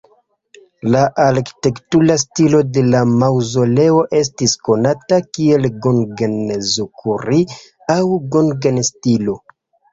La arkitektura stilo de la maŭzoleo estis konata kiel "gongen-zukuri" aŭ "gongen"-stilo.